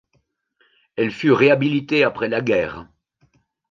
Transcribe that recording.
Elle fut réhabilitée après la guerre.